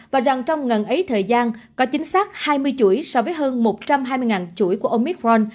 và rằng trong ngần ấy thời gian có chính xác hai mươi chuỗi so với hơn một trăm hai mươi chuỗi của ông mikron